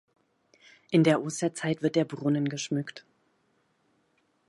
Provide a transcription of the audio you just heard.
In der Osterzeit wird der Brunnen geschmückt.